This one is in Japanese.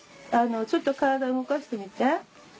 ちょっと体動かしてみて。